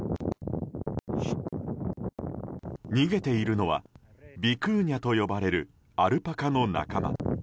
逃げているのはビクーニャと呼ばれるアルパカの仲間。